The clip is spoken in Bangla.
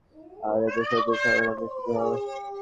আর এগুলোর দোষী হবেন আপনি, শুধু আপনি।